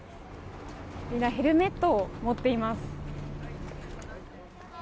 みんなヘルメットを持っています。